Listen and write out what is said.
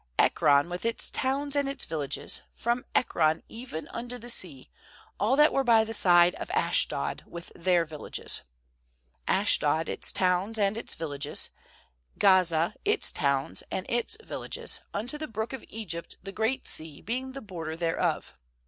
^Ekron, with its towns and its vil lages; 4efrom Ekron even unto the sea, all that were by the side of Ashdod, with their villages. 47Ashdod, its towns and its villages; Gaza, its towns and its villages; unto the Brook of Egypt, the Great Sea being the border thereof.